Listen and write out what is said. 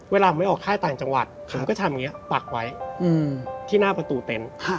เวลาผมไปออกค่ายต่างจังหวัดผมก็ทำอย่างนี้ปักไว้ที่หน้าประตูเต็นต์